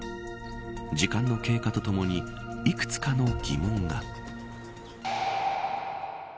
時間の経過とともにいくつかの疑問が。